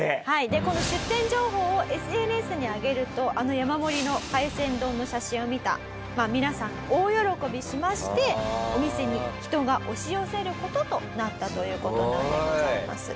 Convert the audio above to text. この出店情報をＳＮＳに上げるとあの山盛りの海鮮丼の写真を見た皆さん大喜びしましてお店に人が押し寄せる事となったという事なんでございます。